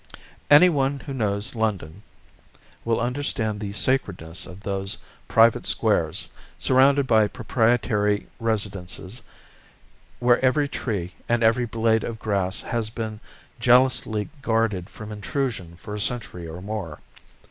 Any one who knows London will understand the sacredness of those private squares, surrounded by proprietary residences, where every tree and every blade of grass has been jealously guarded from intrusion for a century or more.